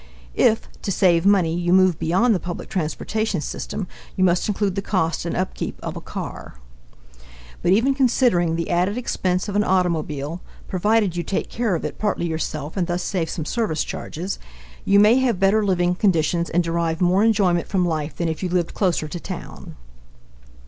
If, to save money, you move beyond the public transportation system, you must include the cost and upkeep of a car. But even considering the added expense of an automobile (provided you take care of it partly yourself and thus save some service charges) you may have better living conditions and derive more enjoyment from life than if you lived closer to town.